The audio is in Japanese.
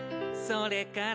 「それから」